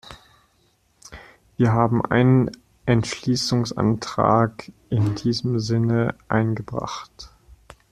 Wir haben einen Entschließungsantrag in diesem Sinne eingebracht.